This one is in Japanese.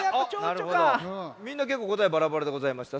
みんなけっこうこたえバラバラでございました。